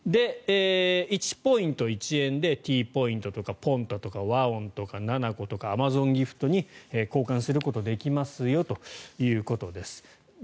１ポイント１円でＴポイントとかＰｏｎｔａとかＷＡＯＮとかｎａｎａｃｏとかアマゾンギフトに交換することができますということです。